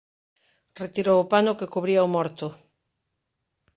Retirou o pano que cubría o morto.